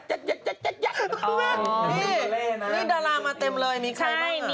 อ๋อนี่ดารามาเต็มเลยมีใครบ้างอ่ะนี่ดารามาเต็มเลยมีใครบ้างอ่ะ